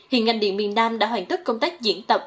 hiện ngành điện miền nam đã hoàn tất công tác diễn tập